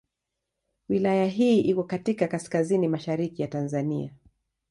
Wilaya hii iko katika kaskazini mashariki ya Tanzania.